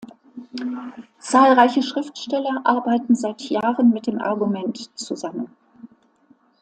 Zahlreiche Schriftsteller arbeiten seit Jahren mit dem Argument zusammen.